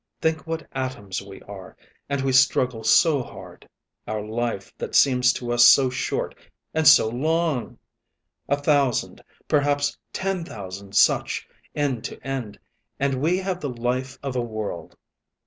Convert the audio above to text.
Think what atoms we are; and we struggle so hard. Our life that seems to us so short and so long! A thousand, perhaps ten thousand such, end to end, and we have the life of a world.